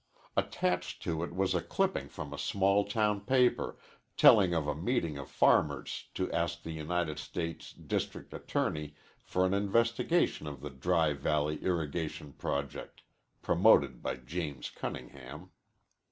Attached to it was a clipping from a small town paper telling of a meeting of farmers to ask the United States District Attorney for an investigation of the Dry Valley irrigation project promoted by James Cunningham.